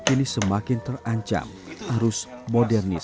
ini semakin terancam harus modernisasi